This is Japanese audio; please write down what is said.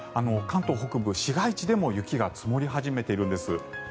関東北部、市街地でも雪が積もり始めているんです。